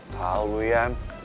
kau tahu yan